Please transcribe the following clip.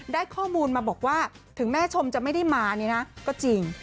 ได้ข้อมูลมาบอกว่าถึงแม่ชมจะไม่ได้มาเนี่ยนะก็จริง